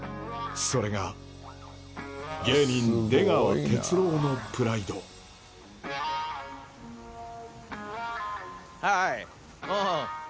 それが芸人出川哲朗のプライドハイ！